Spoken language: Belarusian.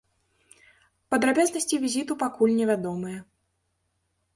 Падрабязнасці візіту пакуль невядомыя.